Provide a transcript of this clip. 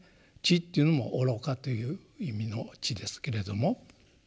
「癡」っていうのも愚かという意味の「癡」ですけれども。